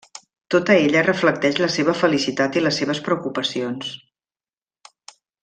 Tota ella reflecteix la seva felicitat i les seves preocupacions.